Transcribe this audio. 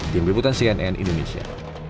tim liputan cnn indonesia